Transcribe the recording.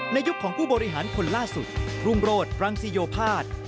ยุคของผู้บริหารคนล่าสุดรุ่งโรศรังสิโยภาษย์